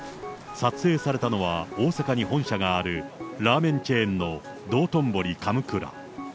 撮影されたのは大阪に本社があるラーメンチェーンのどうとんぼり神座。